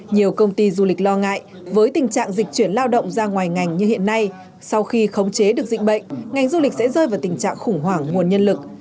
nhiều công ty du lịch lo ngại với tình trạng dịch chuyển lao động ra ngoài ngành như hiện nay sau khi khống chế được dịch bệnh ngành du lịch sẽ rơi vào tình trạng khủng hoảng nguồn nhân lực